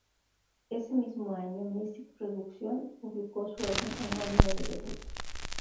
Ese mismo año Mystic Production publicó su álbum homónimo de debut.